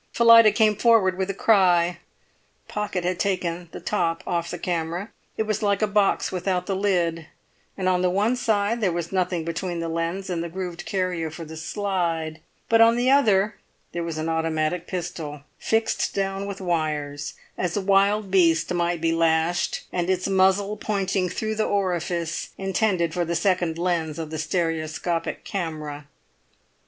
Phillida came forward with a cry. Pocket had taken the top off the camera; it was like a box without the lid, and on the one side there was nothing between the lens and the grooved carrier for the slide, but on the other there was an automatic pistol, fixed down with wires, as a wild beast might be lashed, and its muzzle pointing through the orifice intended for the second lens of the stereoscopic camera.